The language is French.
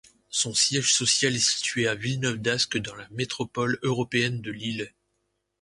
Son siège social est situé à Villeneuve-d'Ascq dans la métropole européenne de Lille.